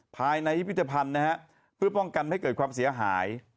ภายในภิพธพันธ์เพื่อป้องกันให้เกิดความเสียหาย